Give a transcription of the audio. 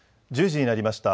１０時になりました。